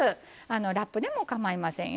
ラップでもかまいませんよ。